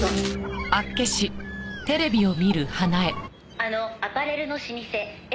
「あのアパレルの老舗絵